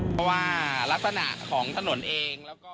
เพราะว่ารักษณะของถนนเอง